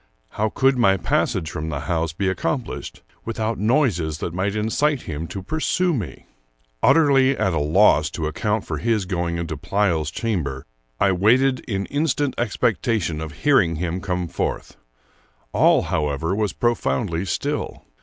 How could my passage from the house be accomplished without noises that might incite him to pursue me? Utterly at a loss to account for his going into Pleyel's chamber, I waited in instant expectation of hearing him come forth. All, however, was profoundly still.